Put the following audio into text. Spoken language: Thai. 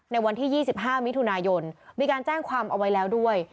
ในวันที่๒๕มิถุนายนมีการแจ้งความเอาไว้แล้วด้วย